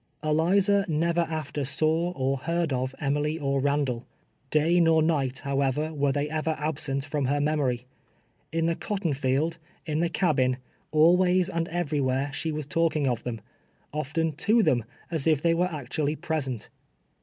Eliza never after saw or heard of Emily or liandall. Day nor night, however, were they ever absent from lier memory. In the cotton field, in the cabin, al ways and everywhere, she was talking of them — often to them, as if they were actuallj'^ present.